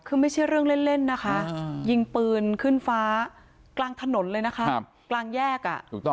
คือไม่ใช่เรื่องเล่นนะคะยิงปืนขึ้นฟ้ากลางถนนเลยนะคะกลางแยก